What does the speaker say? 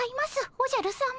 おじゃるさま。